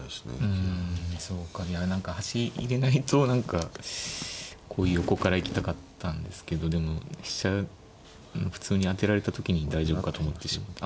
うんそうかいや何か端入れないと何かこう横から行きたかったんですけどでも飛車普通に当てられた時に大丈夫かと思ってしまった。